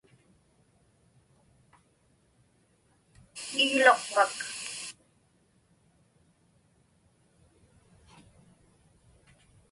igluqpak